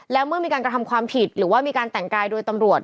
แล้วเมื่อมีการกระทำความผิดหรือว่ามีการแต่งกายโดยตำรวจ